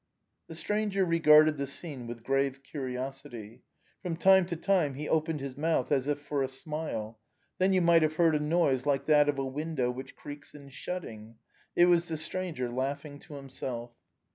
The stranger regarded the scene with grave curiosity; from time to time he opened his mouth as if for a smile; then you might have heard a noise like that of a window which creaks in shutting. It was the stranger laughing to himself.